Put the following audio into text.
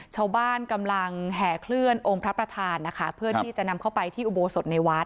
ชาวบ้านกำลังแห่เคลื่อนองค์พระประธานนะคะเพื่อที่จะนำเข้าไปที่อุโบสถในวัด